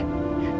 terima kasih tante